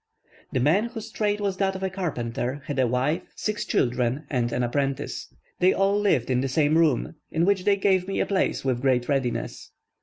The man, whose trade was that of a carpenter, had a wife, six children, and an apprentice. They all lived in the same room, in which they gave me a place with great readiness.